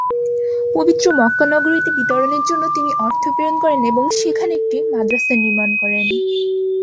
পবিত্র মক্কা নগরীতে বিতরণের জন্য তিনি অর্থ প্রেরণ করেন এবং সেখানে একটি মাদ্রাসা নির্মাণ করান।